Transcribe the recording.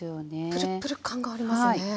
プルプル感がありますね。